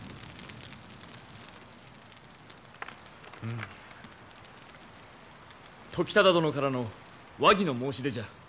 うむ時忠殿からの和議の申し出じゃ。